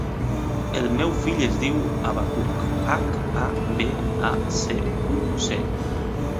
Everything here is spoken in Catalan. El meu fill es diu Habacuc: hac, a, be, a, ce, u, ce.